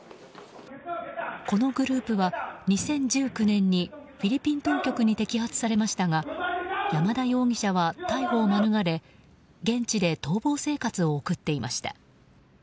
このグループは２０１９年にフィリピン当局に摘発されましたが山田容疑者は逮捕を免れ現地で逃亡生活を送っていました。